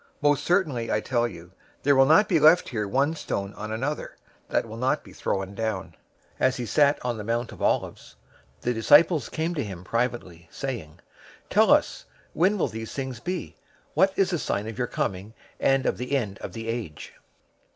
Most certainly I tell you, there will not be left here one stone on another, that will not be thrown down." 024:003 As he sat on the Mount of Olives, the disciples came to him privately, saying, "Tell us, when will these things be? What is the sign of your coming, and of the end of the age?"